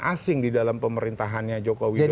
asing di dalam pemerintahannya jokowi